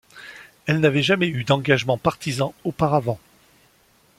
Elle n'avait jamais eu d'engagement partisan auparavant.